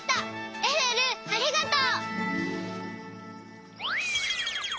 えるえるありがとう。